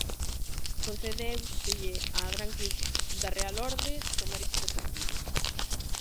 Concedéuselle a Gran Cruz da Real Orde do Mérito Deportivo.